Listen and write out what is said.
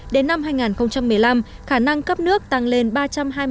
đến năm hai nghìn một mươi năm khả năng cấp nước tăng lên ba trăm hai mươi năm m ba một ngày đêm